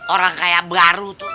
orang kaya baru tuh